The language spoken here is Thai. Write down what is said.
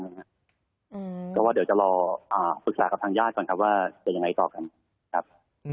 เพราะว่าเดี๋ยวจะรอปรึกษากับทางญาติก่อนครับว่าจะยังไงต่อกันครับ